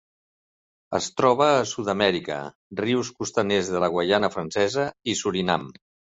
Es troba a Sud-amèrica: rius costaners de la Guaiana Francesa i Surinam.